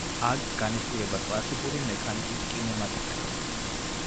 აქ განიხილება კლასიკური მექანიკის კინემატიკა.